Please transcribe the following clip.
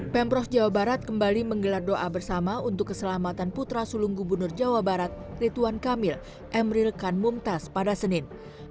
pemprov jawa barat kembali menggelar doa bersama untuk keselamatan putra sulung gubernur jawa barat rituan kamil emril kan mumtaz pada senin